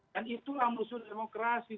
dan itulah musuh demokrasi